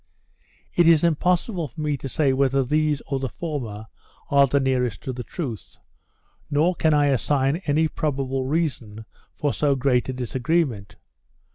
It is impossible for me to say whether these or the former are the nearest to the truth; nor can I assign any probable reason for so great a disagreement.